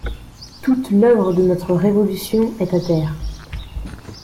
Toute l'œuvre de notre Révolution est à terre.